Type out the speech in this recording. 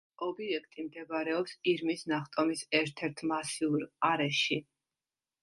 ობიექტი მდებარეობს ირმის ნახტომის ერთ-ერთ მასიურ არეში.